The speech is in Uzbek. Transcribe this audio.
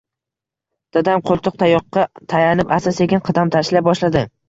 Dadam qoʻltiqtayoqqa tayanib, asta-sekin qadam tashlay boshladi.